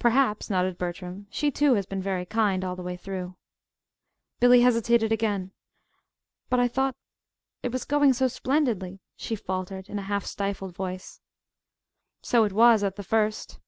"Perhaps," nodded Bertram. "She, too, has been very kind, all the way through." Billy hesitated again. "But I thought it was going so splendidly," she faltered, in a half stifled voice. "So it was at the first."